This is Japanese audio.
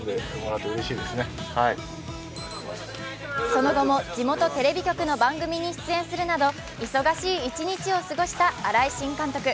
その後も地元テレビ局の番組出演するなど忙しい一日を過ごした新井新監督。